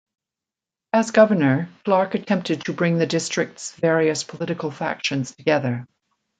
As governor, Clark attempted to bring the district's various political factions together.